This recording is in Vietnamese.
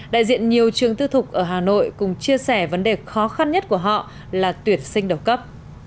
đại diện nhiều trường tư thục ở hà nội cùng chia sẻ vấn đề khó khăn nhất của họ là tuyển sinh đầu cấp